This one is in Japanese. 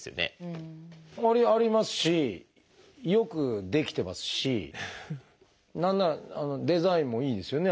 ありますしよく出来てますし何ならデザインもいいですよね